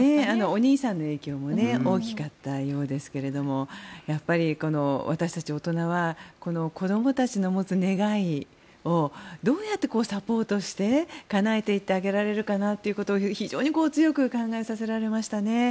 お兄さんの影響も大きかったようですけれどもやっぱり私たち大人はこの子どもたちに持つ願いをどうやってサポートしてかなえていってあげられるかなということを非常に強く考えさせられましたね。